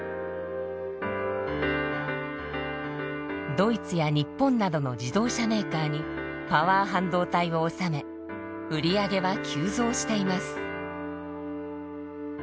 ドイツや日本などの自動車メーカーにパワー半導体を納め売り上げは急増しています。